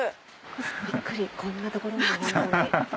びっくりこんな所に本当に。